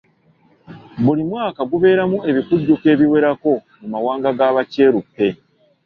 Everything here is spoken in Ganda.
Buli mwaka gubeeramu ebikujjuko ebiwerako mu mawanga ga Bakyeruppe.